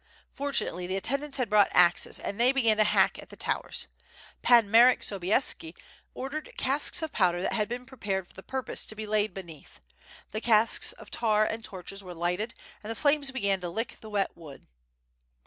Fortunately the attendants had brought axes, and they began to hack at the towers. Pan Marek Sobieski ordered casks of powder that had been prepared for the purpose to be laid beneath. The casks of tar and tordhes were lighted, and the flames began to lick the wet wood.